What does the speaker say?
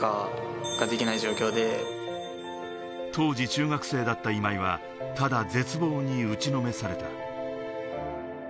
当時、中学生だった今井は、ただ絶望に打ちのめされた。